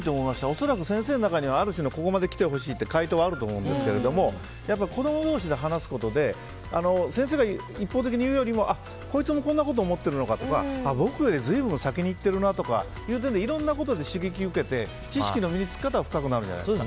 恐らく先生の中にはある種のここまで来てほしいという解答はあると思うんですけど子供同士で話すことで先生が一方的に言うよりもこいつはこんなこと思ってるのかとか僕よりずいぶん先に行ってるなとかいろんなことで刺激を受けて知識の身に付き方は深くなるんじゃないですか。